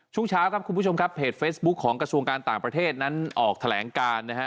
ช่วงเช้าครับคุณผู้ชมครับเพจเฟซบุ๊คของกระทรวงการต่างประเทศนั้นออกแถลงการนะฮะ